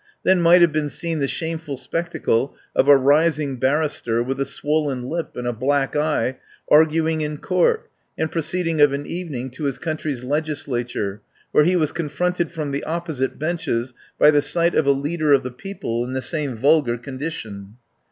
Then might have been seen the shameful spectacle of a rising barrister with a swollen lip and a black eye arguing in court, and proceeding of an evening to his country's legislature, where he was confronted from the opposite benches by the sight of a Leader of the People in the same vulgar condition.